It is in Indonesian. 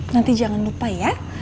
nanti jangan lupa ya